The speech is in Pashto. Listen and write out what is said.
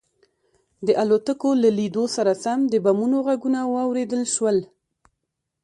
د الوتکو له لیدو سره سم د بمونو غږونه واورېدل شول